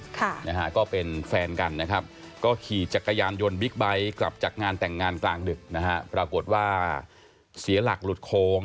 ค่านะฮะก็เป็นแฟนกันนะครับก็ขี่จักรยานยนต์บิ๊กไบท์